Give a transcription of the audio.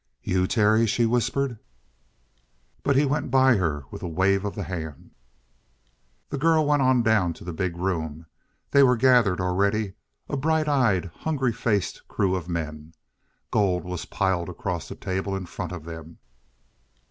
"You, Terry!" she whispered. But he went by her with a wave of the hand. The girl went on down to the big room. They were gathered already, a bright eyed, hungry faced crew of men. Gold was piled across the table in front of them.